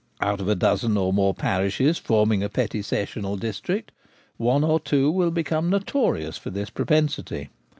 Out of a dozen or more parishes forming a petty sessional district one or two will become notorious for this propensity.